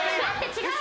違う。